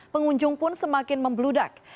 pengunjung pun semakin membludak